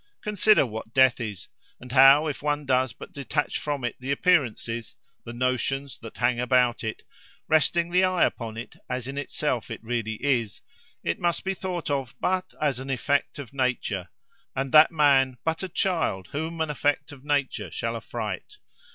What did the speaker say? Consider what death is, and how, if one does but detach from it the appearances, the notions, that hang about it, resting the eye upon it as in itself it really is, it must be thought of but as an effect of nature, and that man but a child whom an effect of nature shall affright.